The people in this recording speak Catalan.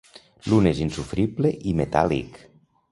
L'un és insofrible i metàl·lic.